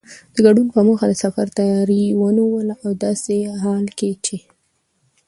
د ګډون په موخه د سفر تیاری ونیوه او داسې حال کې چې